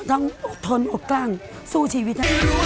ต้องทนอกกลั้งสู้ชีวิต